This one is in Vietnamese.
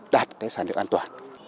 để sản được an toàn